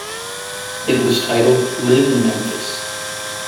It was titled "Live in Memphis".